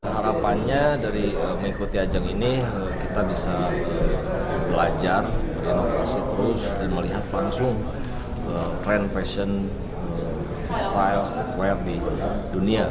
harapannya dari mengikuti ajang ini kita bisa belajar berinovasi terus dan melihat langsung trend fashion istile stware di dunia